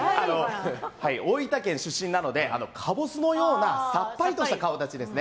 大分県出身なのでカボスのようなさっぱりとした顔立ちです。